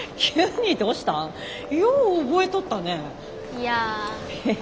いや。